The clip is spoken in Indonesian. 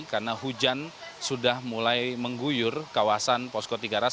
karena hujan sudah mulai mengguyur kawasan posko tiga ras